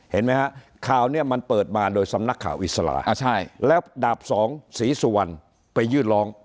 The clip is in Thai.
เห็นไหมฮะข่าวเนี่ยมันเปิดมาโดยสำนักข่าวอิสระแล้วดาบสองศรีสุวรรณไปยื่นร้อง